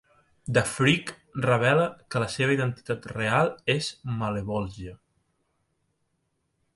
The Freak revela que la seva identitat real és Malebolgia.